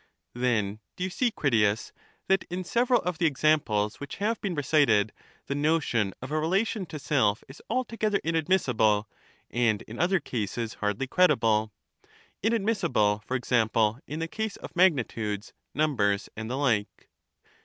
Then do you see, Critias, that in several of the examples which have been recited the notion of a rela tion to self is altogether inadmissible, and in other cases hardly credible — inadmissible, for example, in the case of magnitudes, numbers, and the like.